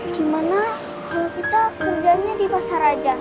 gimana kalau kita kerjanya di pasar aja